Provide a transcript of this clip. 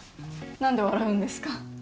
何で笑うんですか？